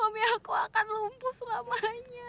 suami aku akan lumpuh selama nya